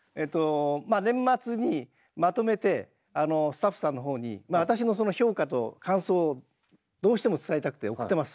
まあ年末にまとめてスタッフさんのほうに私の評価と感想をどうしても伝えたくて送っています。